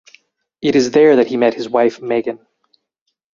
It is there that he met his wife Megan.